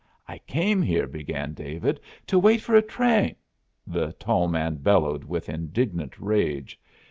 "I came here," began David, "to wait for a train " The tall man bellowed with indignant rage.